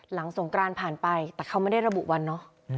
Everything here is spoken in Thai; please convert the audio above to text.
สงกรานผ่านไปแต่เขาไม่ได้ระบุวันเนาะ